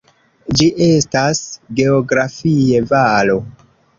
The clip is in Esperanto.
Ĝi estas geografie valo.